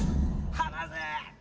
離せ！